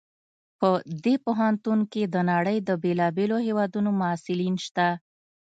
په دې پوهنتون کې د نړۍ د بیلابیلو هیوادونو محصلین شته